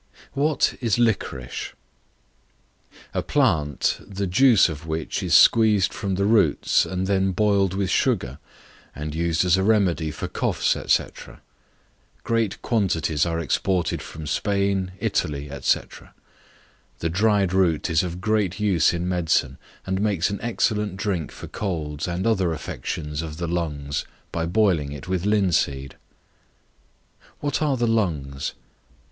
What is Licorice? A plant, the juice of which is squeezed from the roots, and then boiled with sugar, and used as a remedy for coughs, &c. Great quantities are exported from Spain, Italy, &c. The dried root is of great use in medicine, and makes an excellent drink for colds and other affections of the lungs by boiling it with linseed. What are the Lungs?